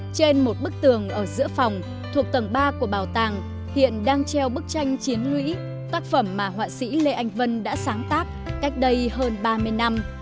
trên một bức tường ở giữa phòng thuộc tầng ba của bảo tàng hiện đang treo bức tranh chiến lũy tác phẩm mà họa sĩ lê anh vân đã sáng tác cách đây hơn ba mươi năm